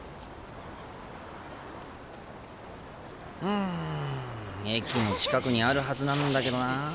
うん駅の近くにあるはずなんだけどな。